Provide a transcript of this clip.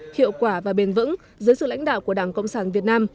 hiệu quả và bền vững dưới sự lãnh đạo của đảng cộng sản việt nam